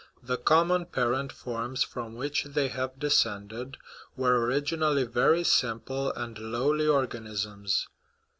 The common parent forms from which they have descended were originally very simple and lowly organisms.